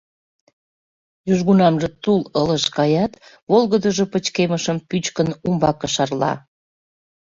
южгунамже тул ылыж каят, волгыдыжо пычкемышым пӱчкын, умбаке шарла;